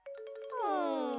うん。